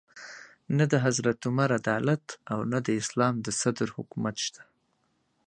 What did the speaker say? نه د حضرت عمر عدالت او نه د اسلام د صدر حکومت شته.